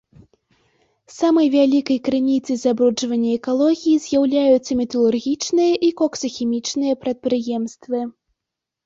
Самай вялікай крыніцай забруджвання экалогіі з'яўляюцца металургічныя і коксахімічныя прадпрыемствы.